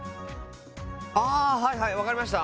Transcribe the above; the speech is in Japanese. はいはい分かりました。